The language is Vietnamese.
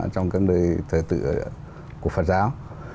trong các nơi thời tự của phật giáo